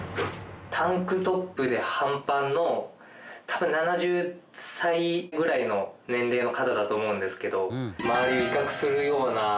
タンクトップで半パンの多分７０歳ぐらいの年齢の方だと思うんですけど。